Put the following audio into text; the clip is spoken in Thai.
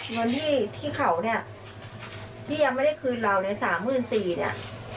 เงินที่เขาเนี่ยที่ยังไม่ได้คืนเราเนี่ยสามหมื่นสี่เนี่ย